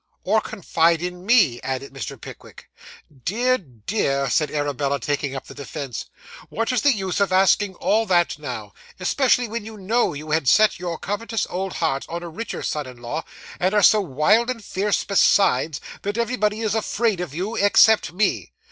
'Or confide in me?' added Mr. Pickwick. 'Dear, dear,' said Arabella, taking up the defence, 'what is the use of asking all that now, especially when you know you had set your covetous old heart on a richer son in law, and are so wild and fierce besides, that everybody is afraid of you, except me?